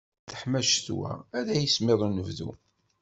Akken teḥma ccetwa ara yismiḍ unebdu.